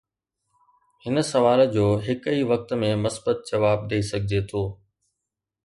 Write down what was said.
هن سوال جو هڪ ئي وقت ۾ مثبت جواب ڏئي سگهجي ٿو.